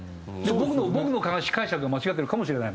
僕の解釈が間違ってるかもしれない。